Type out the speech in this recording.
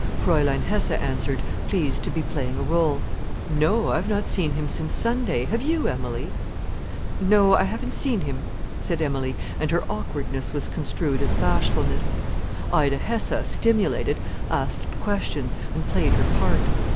Fräulein Hesse answered, pleased to be playing a rôle: "No, I've not seen him since Sunday—have you, Emilie?" "No, I haven't seen him," said Emilie, and her awkwardness was construed as bashfulness. Ida Hesse, stimulated, asked questions, and played her part.